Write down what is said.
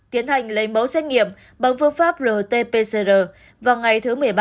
tiến hành lấy mẫu xét nghiệm bằng phương pháp rt pcr vào ngày thứ một mươi ba